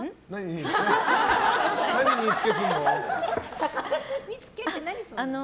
何煮つけするの？